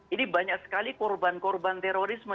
ini banyak sekali korban korban terorisme